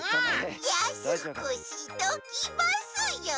やすくしときますよ！